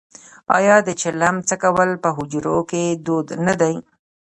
آیا د چلم څکول په حجرو کې دود نه دی؟